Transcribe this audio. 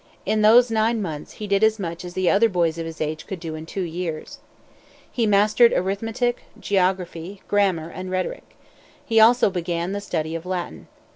In those nine months he did as much as the other boys of his age could do in two years. He mastered arithmetic, geography, grammar, and rhetoric. He also began the study of Latin.